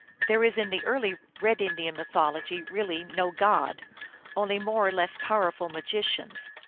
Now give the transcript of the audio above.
There is in the early red Indian mythology really no God ; only more or less powerful magicians.